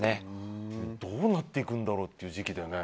どうなっていくんだろうという時期でね。